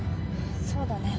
そうだね。